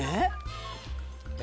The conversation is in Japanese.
え？